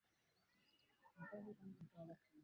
hivyo hili ni tatizo ambalo linaweza linalosababishwa